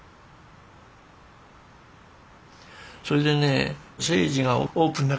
それでね征爾がオープンな感じ。